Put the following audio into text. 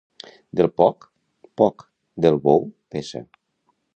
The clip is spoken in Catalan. Del poc, poc; del bou, peça.